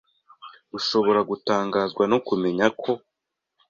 Ushobora gutangazwa no kumenya ko